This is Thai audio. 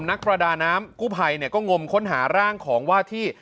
นักประดาน้ำกู้ภัยก็งมค้นหาร่างของว่าที่